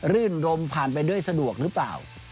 รื่นรมผ่านไปด้วยสะดวกหรือเปล่า